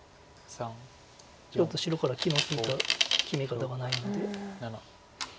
ちょっと白から気の利いた決め方がないので。